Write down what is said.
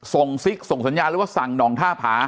ส่งสิทธิ์ส่งสัญญาณหรือว่าสั่งหนองท่าผา